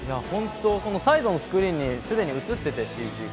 サイドのスクリーンにすでに映っていて、ＣＧが。